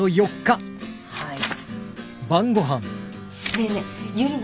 はい。